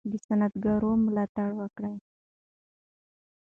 د صنعتګرو ملاتړ وکړئ.